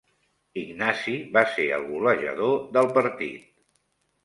Ignasi va ser el golejador del partit.